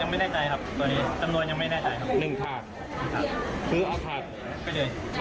อ่าไม่ใหญ่ถาดไม่ใหญ่อยู่